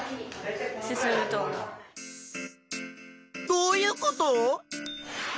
どういうこと？